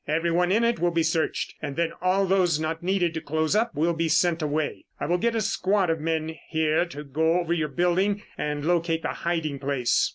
Everyone in it will be searched and then all those not needed to close up will be sent away. I will get a squad of men here to go over your building and locate the hiding place.